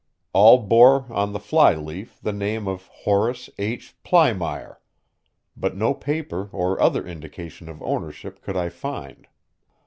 All bore on the fly leaf the name of Horace H. Plymire, but no paper or other indication of ownership could I find.